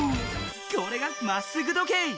これが「まっすぐ時計」。